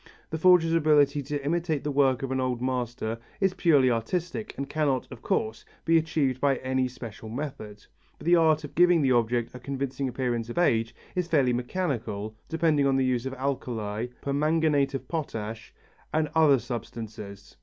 The forger's ability to imitate the work of an old master is purely artistic, and cannot, of course, be achieved by any special method; but the art of giving the object a convincing appearance of age is fairly mechanical, depending upon the use of alkali, permanganate of potash and other substances.